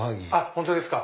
本当ですか。